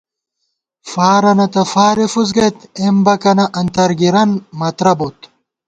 فارَنہ تہ فارےفُس گَئیت، اېمبَکَنہ انترگِرَن مترہ بوت